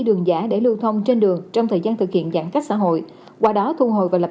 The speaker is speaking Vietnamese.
đường giả để lưu thông trên đường trong thời gian thực hiện giãn cách xã hội qua đó thu hồi và lập